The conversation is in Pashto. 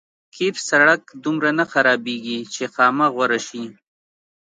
قیر سړک دومره نه خرابېږي چې خامه غوره شي.